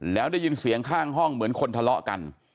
แล้วได้ยินเสียงข้างห้องเหมือนคนทะเลาะกัน